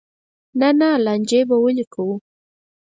نه نه لانجې به ولې کوو.